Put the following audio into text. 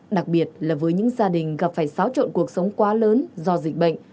đặc biệt là với những gia đình gặp phải xáo trộn cuộc sống quá lớn do dịch bệnh